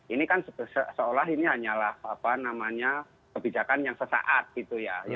ini kan seolah ini hanyalah kebijakan yang sesaat gitu ya